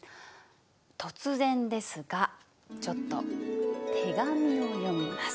突然ですがちょっと手紙を読みます。